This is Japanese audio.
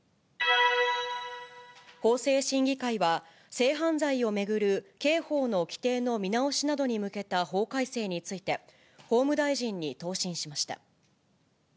法制審議会は性犯罪を巡る刑法の規定の見直しなどに向けた法改正について、法務大臣に答申しました。